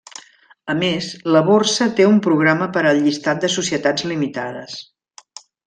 A més, la borsa té un programa per al llistat de Societats Limitades.